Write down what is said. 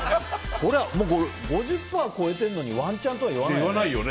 ５０％超えてるのにワンチャンとは言わないよ。